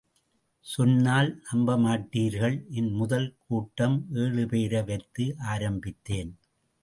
சொன்னால் நம்பமாட்டீர்கள் என் முதல் கூட்டம் ஏழு பேரைவைத்து ஆரம்பித்தேன்.